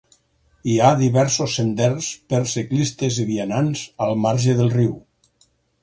Hi ha diversos senders per ciclistes i vianants al marge del riu.